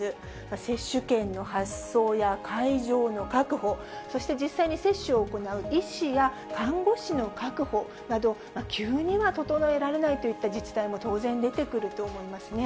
接種券の発送や会場の確保、そして、実際に接種を行う医師や看護師の確保など、急には整えられないといった自治体も当然出てくると思いますね。